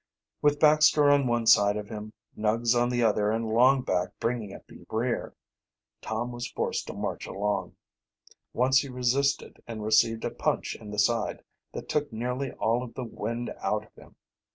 With Baxter on one side of him, Nuggs on the other, and Longback bringing up the rear, Tom was forced to march along. Once he resisted, and received a punch in the side that took nearly all of the wind out of him.